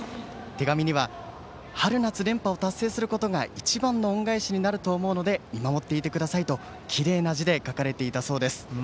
手紙には春夏連覇を達成することが一番に恩返しになると思うので見守っていてくださいときれいな字で書かれていたそうです。